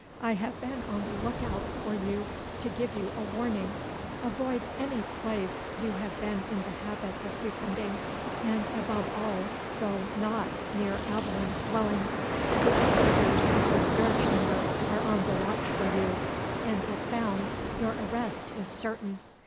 "I have been on the look out for you to give you a warning. Avoid any place you have been in the habit of frequenting; and, above all, go not near Aveline's dwelling. The officers of the Star Chamber are on the watch for you; and if found, your arrest is certain."